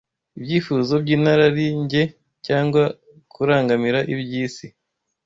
ibyifuzo by’inarinjye cyangwa kurangamira iby’isi